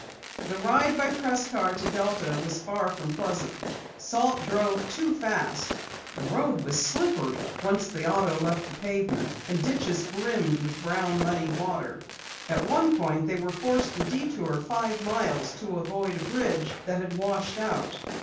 The ride by press car to Delta was far from pleasant. Salt drove too fast. The road was slippery once the auto left the pavement and ditches brimmed with brown muddy water. At one point they were forced to detour five miles to avoid a bridge that had washed out.